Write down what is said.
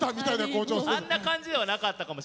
あんな感じではなかったかも。